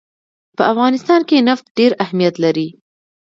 په افغانستان کې نفت ډېر اهمیت لري.